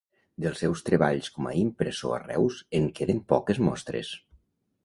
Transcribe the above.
Dels seus treballs com a impressor a Reus en queden poques mostres.